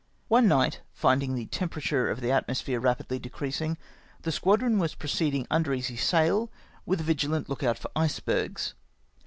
One night, finding the temperature of the atmosphere rapidly decreasing, the squadron was proceeding under easy sail, with a vigilant look out for icebergs.